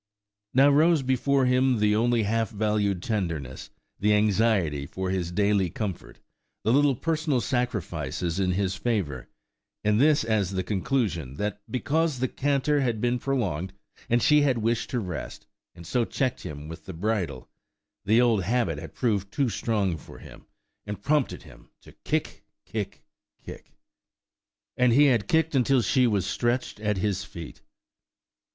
Now rose before him the only half valued tenderness, the anxiety for his daily comfort, the little personal sacrifices in his favour, and this as the conclusion; that because the canter had been prolonged, and she had wished to rest, and so checked him with the bridle, the old habit had proved too strong for him, and prompted him to kick, kick, kick!–and he had kicked until she was stretched at his feet.